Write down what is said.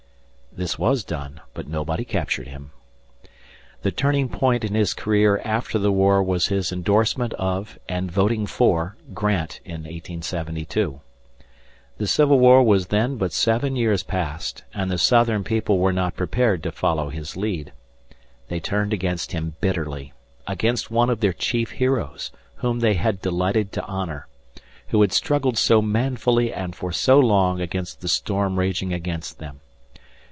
This was done, but nobody captured him. The turning point in his career after the war was his endorsement of and voting for Grant in 1872. The Civil War was then but seven years past, and the Southern people were not prepared to follow his lead. They turned against him bitterly against one of their chief heroes, whom they had delighted to honor who had struggled so manfully and for so long against the storm raging against them.